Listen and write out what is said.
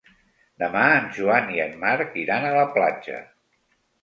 Demà en Joan i en Marc iran a la platja.